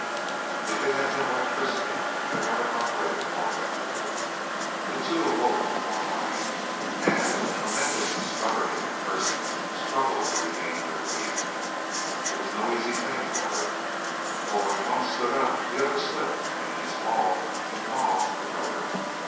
If it had been electricity it could not have operated more effectively. The two awoke with one mind, and with a tremendous spluttering and cursing struggled to regain their feet. It was no easy thing, however, for when one stood up the other slipped and in his fall involved the brother.